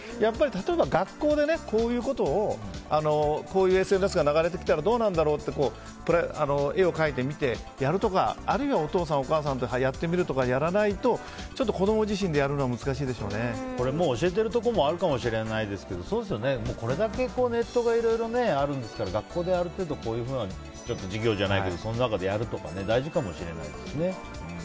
例えば、学校でこういうＳＮＳが流れてきたらどうなんだろうと絵を描いてみてやるとかあるいはお父さん、お母さんとやってみるとかやらないと子供自身でもう教えてるところもあるかもしれないですけどこれだけネットがいろいろあるんですから学校で授業じゃないけどその中でやるというのは大事かもしれないですね。